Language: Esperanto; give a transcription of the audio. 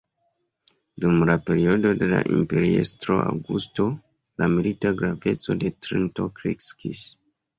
Dum la periodo de la imperiestro Augusto, la milita graveco de Trento kreskis.